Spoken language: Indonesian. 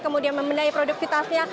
kemudian membenahi produktivitasnya